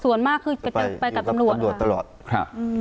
ส่วนมากจะไปกับกำนวัตร